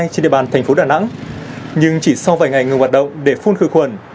trên địa bàn tp đà nẵng nhưng chỉ sau vài ngày ngừng hoạt động để phun khử khuẩn